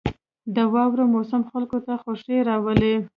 • د واورې موسم خلکو ته خوښي راولي.